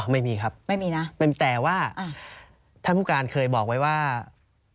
ไม่มีครับแต่ว่าท่านภูการเคยบอกไว้ว่าอ่า